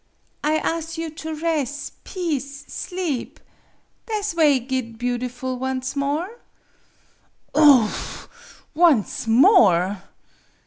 " I as' you to res' peace sleep. Tha' 's way git beautiful once more." "Oh h h! 'Once more'!"